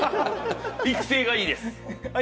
育成がいいです。